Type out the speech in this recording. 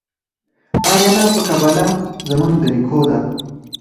آریانا په قباله زموږ د نیکو ده